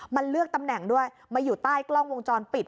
มันเลือกตำแหน่งด้วยมาอยู่ใต้กล้องวงจรปิด